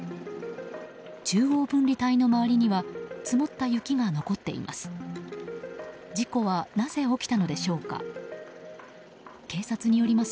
中央分離帯の周りには積もった雪が残っています。